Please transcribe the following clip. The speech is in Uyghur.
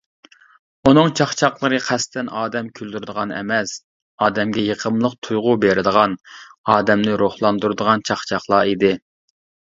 ئۇنىڭ چاقچاقلىرى قەستەن ئادەم كۈلدۈرىدىغان ئەمەس، ئادەمگە يېقىملىق تۇيغۇ بېرىدىغان، ئادەمنى روھلاندۇرىدىغان چاقچاقلار ئىدى.